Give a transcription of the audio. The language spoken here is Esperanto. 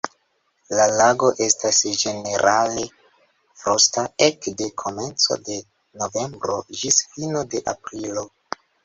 La lago estas ĝenerale frosta ekde komenco de novembro ĝis fino de aprilo.